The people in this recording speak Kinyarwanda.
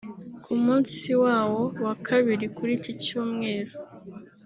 Ku munsi wawo wa kabiri kuri iki Cyumweru